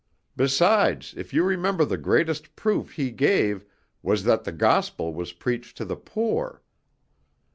Besides, if you remember the greatest proof He gave was that the gospel was preached to the poor.